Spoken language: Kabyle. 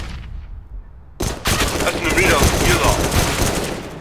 Ad ten-mlileɣ deg yiḍ-a.